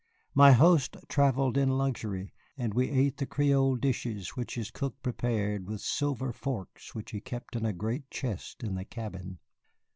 My host travelled in luxury, and we ate the Creole dishes, which his cook prepared, with silver forks which he kept in a great chest in the cabin.